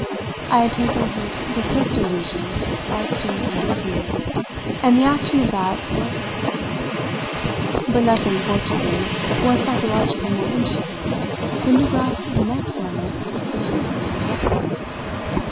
I had taken his disgusted allusion as to Mrs. Brissenden, and the action of that was upsetting. But nothing, fortunately, was psychologically more interesting than to grasp the next moment the truth of his reference.